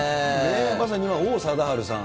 まさに今、王貞治さん。